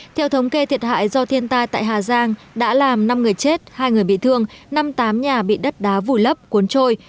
theo thống kê thiệt hại do thiên tai tại hà giang đã làm năm người chết hai người bị thương năm mươi tám nhà bị đất đá vùi lấp cuốn trôi